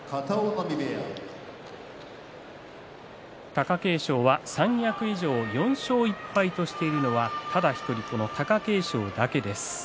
貴景勝は三役以上４勝１敗としているのはただ１人、この貴景勝だけです。